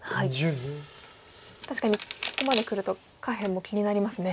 確かにここまでくると下辺も気になりますね。